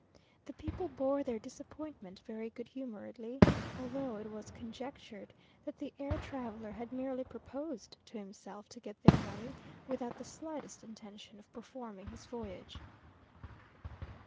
The people bore their disappointment very good humouredly, although it was conjectured that the air traveller had merely proposed to himself to get their money, without the slightest intention of performing his voyage.